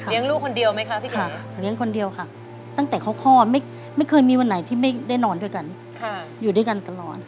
ลูกคนเดียวไหมคะพี่ขาเลี้ยงคนเดียวค่ะตั้งแต่เขาคลอดไม่เคยมีวันไหนที่ไม่ได้นอนด้วยกันอยู่ด้วยกันตลอด